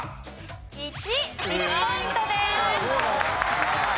１。１ポイントです。